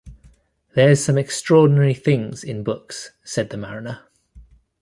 "There's some extraordinary things in books," said the mariner.